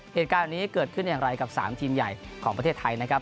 เหตุการณ์นี้เกิดขึ้นอย่างไรกับ๓ทีมใหญ่ของประเทศไทยนะครับ